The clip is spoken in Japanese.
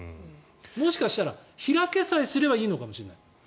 もしかしたら開けさえすればいいのかもしれない。